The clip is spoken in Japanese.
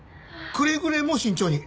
くれぐれも慎重に。